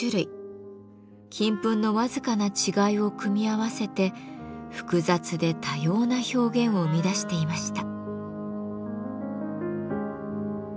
金粉の僅かな違いを組み合わせて複雑で多様な表現を生み出していました。